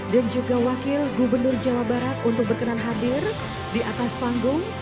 dan juga wakil gubernur jawa barat untuk berkenan hadir di atas panggung